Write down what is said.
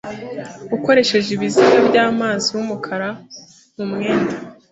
ukoresheje ibiziga byamazi yumukara mumwenda